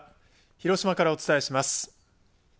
広島からお伝えします。